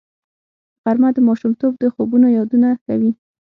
غرمه د ماشومتوب د خوبونو یادونه کوي